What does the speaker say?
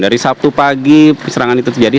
dari sabtu pagi serangan itu terjadi